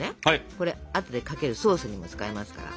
これあとでかけるソースにも使えますから。